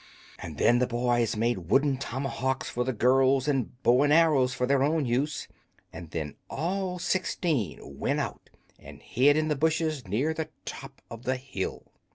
And then the boys made wooden tomahawks for the girls and bows and arrows for their own use, and then all sixteen went out and hid in the bushes near the top of the hill.